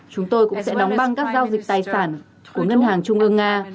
chúng tôi cũng sẽ đóng băng các giao dịch tài sản của ngân hàng trung ương nga